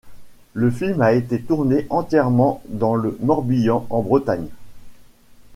Le film a été tourné entièrement dans le Morbihan, en Bretagne.